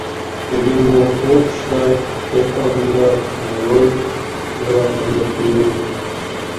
بۈگۈنمۇ ئۇ ئىشلار كۆز ئالدىمدا روي بېرىۋاتقاندەك تۇيۇلىدۇ.